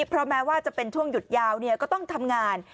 เพราะแม้ว่าจะเป็นช่วงหยุดยาวก็ต้องทำงาน